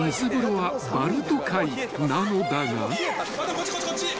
こっちこっちこっち。